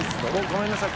ごめんなさい。